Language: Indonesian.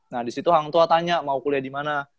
nah disitu hang tuah tanya mau kuliah dimana